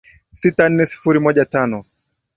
sita nne sifuri moja tano